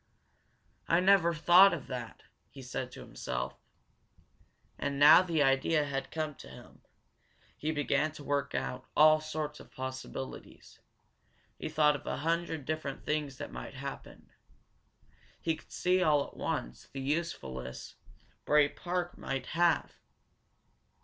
"I never thought of that!" he said to himself. And now that the idea had come to him, he began to work out all sorts of possibilities. He thought of a hundred different things that might happen. He could see, all at once, the usefulness Bray Park might have.